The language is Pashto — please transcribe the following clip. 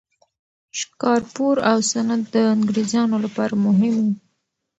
شکارپور او سند د انګریزانو لپاره مهم وو.